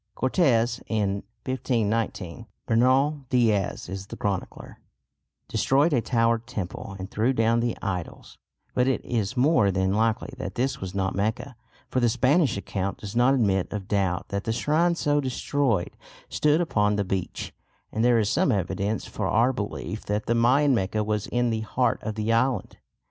Cortes, in 1519 (Bernal Dias is the chronicler), destroyed a towered temple, and threw down the idols; but it is more than likely that this was not Mecca, for the Spanish account does not admit of doubt that the shrines so destroyed stood upon the beach, and there is some evidence for our belief that the Mayan Mecca was in the heart of the island.